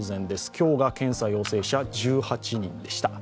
今日が検査陽性者１８人でした。